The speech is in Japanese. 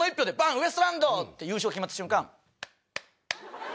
ウエストランドって優勝が決まった瞬間。